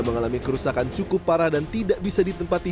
mengalami kerusakan cukup parah dan tidak bisa ditempati